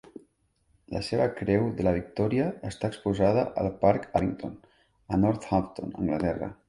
La seva Creu de la Victòria està exposada al parc Abington, a Northampton, Anglaterra.